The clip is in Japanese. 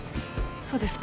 そうですか。